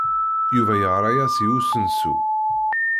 Yuba yeɣra-as i usensu.